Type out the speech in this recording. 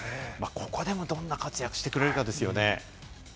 ここでもどんな活躍をしているかですよね。